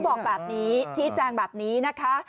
บอกแบบนี้ชี้แจงแบบนี้นะคะ